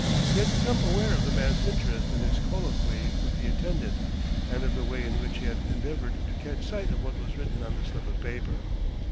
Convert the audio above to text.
He had become aware of the man's interest in his colloquy with the attendant, and of the way in which he had endeavoured to catch sight of what was written on the slip of paper.